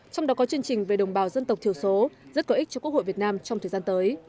trong đó có chương trình về đồng bào dân tộc thiểu số rất có ích cho quốc hội việt nam trong thời gian tới